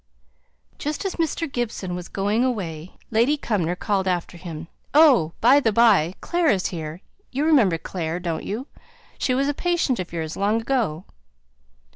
Just as Mr. Gibson was going away, Lady Cumnor called after him, "Oh! by the by, Clare is here; you remember Clare, don't you? She was a patient of yours, long ago."